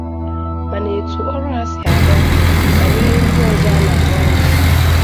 ma n'etu ọrụ ha si aga ma n'ihe ndị ọzọ a na-ahụ anya